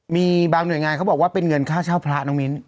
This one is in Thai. มีบางหน่วยงานเขาบอกว่าเป็นเงินค่าเช่าพระน้องมิ้น